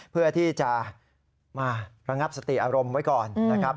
เพื่อที่จะมาระงับสติอารมณ์ไว้ก่อนนะครับ